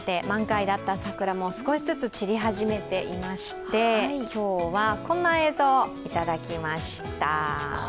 満開だった桜も少しずつ散り始めていまして今日はこんな映像をいただきました。